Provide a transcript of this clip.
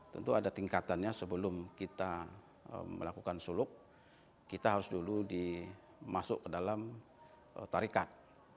tentu ada tingkatannya sebelum kita melakukan suluk kita harus dulu dimasuk ke dalam tarikat